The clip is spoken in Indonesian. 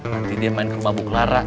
nanti dia main ke rumah buklara